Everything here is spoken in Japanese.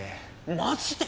マジで？